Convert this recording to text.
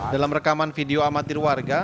dalam rekaman video amatir warga